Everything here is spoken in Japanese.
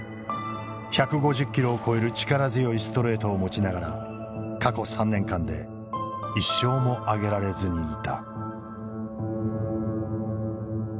１５０キロを超える力強いストレートを持ちながら過去３年間で一勝も挙げられずにいた。